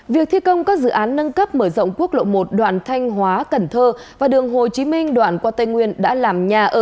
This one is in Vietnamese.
vì vậy trong quá trình di chuyển